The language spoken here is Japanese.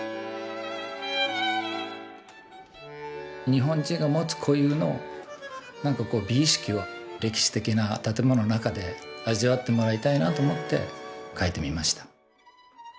日本人が持つ固有の美意識を歴史的な建物の中で味わってもらいたいなと思って描いてみました。